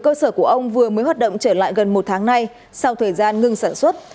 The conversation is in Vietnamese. cơ sở của ông vừa mới hoạt động trở lại gần một tháng nay sau thời gian ngưng sản xuất